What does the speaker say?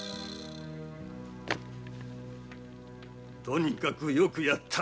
とにかくよくやった。